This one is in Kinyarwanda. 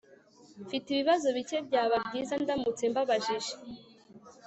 Mfite ibibazo bike Byaba byiza ndamutse mbabajije